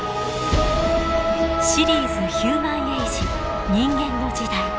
シリーズ「ヒューマンエイジ人間の時代」。